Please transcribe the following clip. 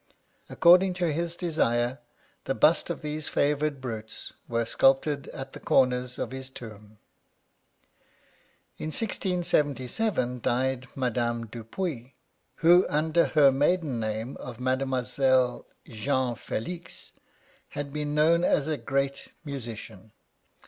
Accord ing to his desire, the busts of these favoured brutes were sculptured at the corners of his tomb. In 1677, died Madame Dupuis, who, under her maiden name of Mademoiselle Jeanne Felix, had been known as a great musician.